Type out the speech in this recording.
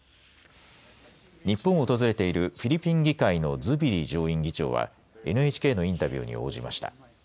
日本を訪れているフィリピン議会のズビリ上院議長はＮＨＫのインタビューに応じました。